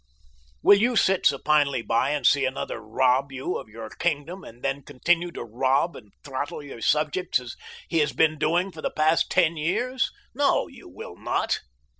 "Will you sit supinely by and see another rob you of your kingdom, and then continue to rob and throttle your subjects as he has been doing for the past ten years? No, you will not.